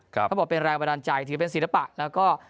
เขาบอกเป็นแรงบันดาลใจถือเป็นศิลปะแล้วก็